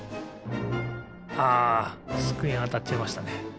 あつくえにあたっちゃいましたね。